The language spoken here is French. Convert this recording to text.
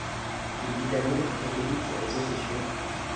Il vit à Londres et évite les réseaux sociaux.